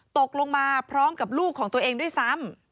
ตกลงมาพร้อมกับลูกของตัวเองด้วยซ้ำ